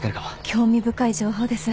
興味深い情報です。